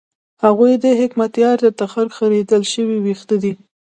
هغوی د حکمتیار د تخرګ خرېیل شوي وېښته دي.